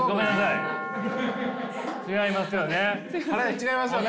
違いますよね。